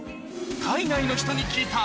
海外の人に聞いた